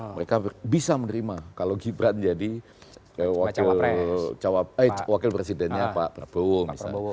mereka bisa menerima kalau gibran jadi wakil presidennya pak prabowo misalnya